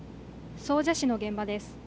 総社市の現場です。